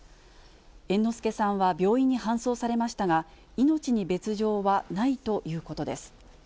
猿之助さんは病院に搬送されましたが、命に別状はないということです。